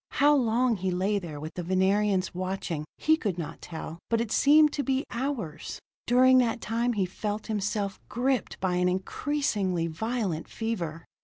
How long he lay there with the Venerians watching, he could not tell, but it seemed to be hours. During that time he felt himself gripped by an increasingly violent fever.